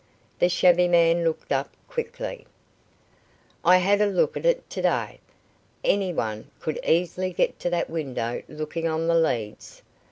The shabby man looked up quickly. "I had a look at it to day. Any one could easily get to that window looking on the leads."